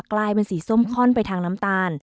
กลายเป็นสีส้มค่อนไปทางน้ำตาล